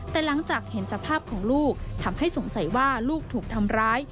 แต่หลังจากเห็นสภาพของลูกทำให้สงสัยว่าลูกถูกทำร้าย